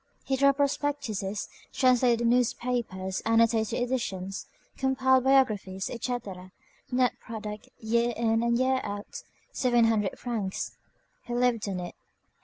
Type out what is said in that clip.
He drew up prospectuses, translated newspapers, annotated editions, compiled biographies, etc.; net product, year in and year out, seven hundred francs. He lived on it.